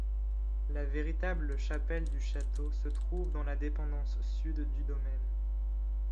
La véritable chapelle du château se trouve dans la dépendance sud du domaine.